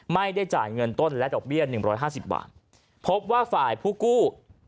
ไม่ได้จ่ายเงินต้นและดอกเบี้ยหนึ่งร้อยห้าสิบบาทพบว่าฝ่ายผู้กู้